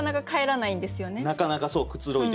なかなかそうくつろいで。